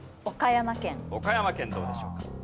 岡山県どうでしょうか？